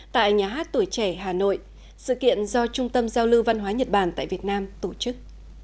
tại nhà hát tuổi trẻ hà nội sự kiện do trung tâm giao lưu văn hóa nhật bản tại việt nam tổ chức